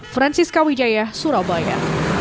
francis kawijaya surabaya